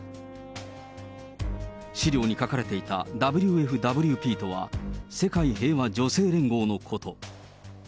資料に書かれていたＷＦＷＰとは、世界平和女性連合のこと。